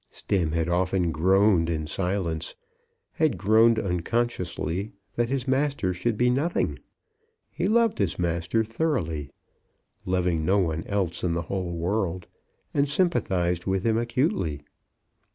Stemm had often groaned in silence, had groaned unconsciously, that his master should be nothing. He loved his master thoroughly, loving no one else in the whole world, and sympathised with him acutely.